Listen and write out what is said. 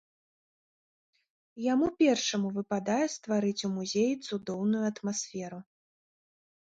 Яму першаму выпадае стварыць у музеі цудоўную атмасферу.